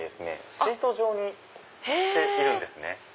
シート状にしているんですね。